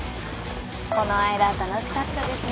この間は楽しかったですね。